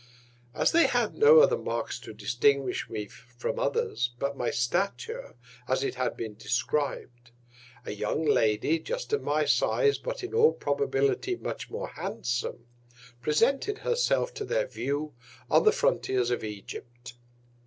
As they had no other Marks to distinguish me from others but my Stature, as it had been describ'd, a young Lady, just of my Size, but in all Probability much more handsome, presented herself to their View, on the Frontiers of Egypt.